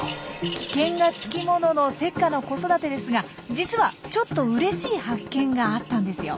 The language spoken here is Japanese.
危険がつきもののセッカの子育てですが実はちょっとうれしい発見があったんですよ。